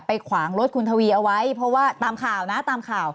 ขวางรถคุณทวีเอาไว้เพราะว่าตามข่าวนะตามข่าว